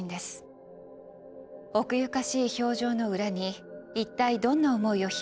奥ゆかしい表情の裏に一体どんな思いを秘めていたのでしょうか。